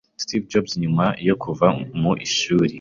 Steve Jobs nyuma yo kuva mu ishuri,